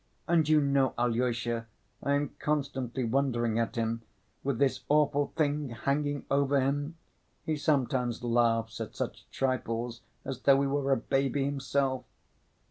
And you know, Alyosha, I am constantly wondering at him—with this awful thing hanging over him, he sometimes laughs at such trifles as though he were a baby himself."